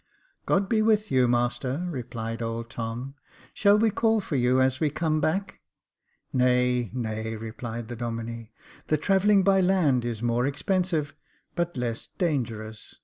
God be with you, master," replied old Tom ;*' shall we call for you as we come back ?" "Nay, nay/' replied the Domine, "the travelling by land is more expensive, but less dangerous.'